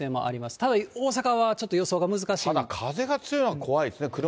ただ、大阪はちょっと予想が難しただ風が強いのは怖いですね。